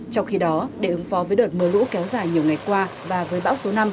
trong khi đó để ứng phó với đợt mưa lũ kéo dài nhiều ngày qua và với bão số năm